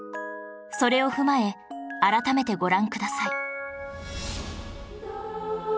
それを踏まえ改めてご覧ください